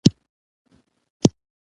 يونليکونه ولوستل چې ډېره املايي غلطي پکې وې